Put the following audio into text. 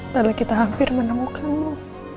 lalu kita hampir menemukanmu